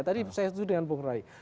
tadi saya itu dengan bung roy